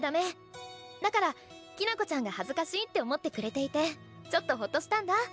だからきな子ちゃんが恥ずかしいって思ってくれていてちょっとほっとしたんだ。